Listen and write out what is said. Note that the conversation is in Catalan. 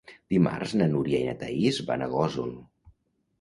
Dimarts na Núria i na Thaís van a Gósol.